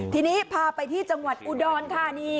ทีนี้พาไปที่จังหวัดอุดรธานี